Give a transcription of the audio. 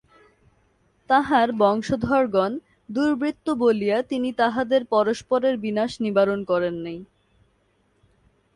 তাঁহার বংশধরগণ দুর্বৃত্ত বলিয়া তিনি তাহাদের পরস্পরের বিনাশ নিবারণ করেন নাই।